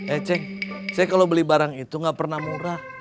eceng saya kalau beli barang itu gak pernah murah